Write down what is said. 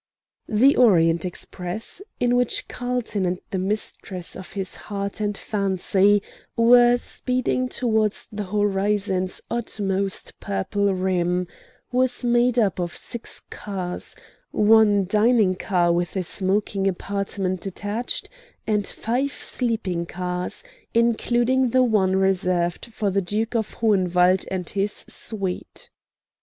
The Orient Express, in which Carlton and the mistress of his heart and fancy were speeding towards the horizon's utmost purple rim, was made up of six cars, one dining car with a smoking apartment attached, and five sleeping cars, including the one reserved for the Duke of Hohenwald and his suite.